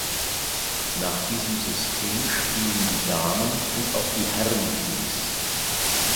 Nach diesem System spielen die Damen- und auch die Herrenteams.